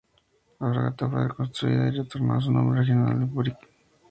La fragata fue reconstruida y retornó a su nombre original de "Apurímac".